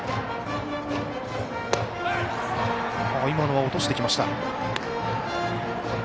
今のは落としてきました。